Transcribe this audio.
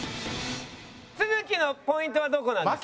都築のポイントはどこなんですか？